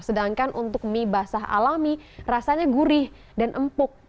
sedangkan untuk mie basah alami rasanya gurih dan empuk